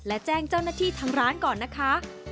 และแจ้งเจ้าหน้าที่ทางร้านก่อนนะคะ